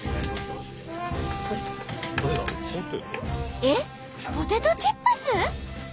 えっポテトチップス？